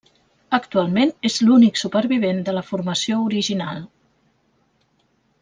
Actualment és l'únic supervivent de la formació original.